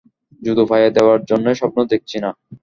জুতো পায়ে দেওয়ার জন্যেই স্বপ্ন দেখছি না।